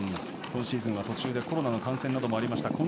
今シーズンは途中でコロナの感染などもありました。